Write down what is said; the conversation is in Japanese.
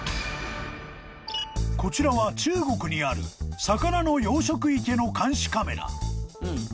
［こちらは中国にある魚の養殖池の監視カメラ］